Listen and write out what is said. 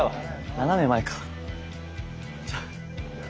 斜め前か。